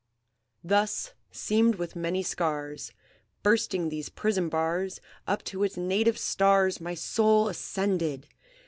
"Thus, seamed with many scars, Bursting these prison bars, Up to its native stars My soul ascended!